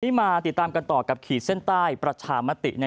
วันนี้มาติดตามกันต่อกับขีดเส้นใต้ประชามติ